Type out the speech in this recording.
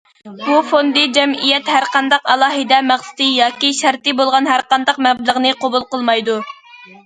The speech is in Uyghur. بۇ فوندى جەمئىيەت ھەرقانداق ئالاھىدە مەقسىتى ياكى شەرتى بولغان ھەرقانداق مەبلەغنى قوبۇل قىلمايدۇ.